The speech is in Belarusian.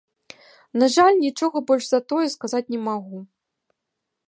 На жаль, нічога больш за тое сказаць не магу.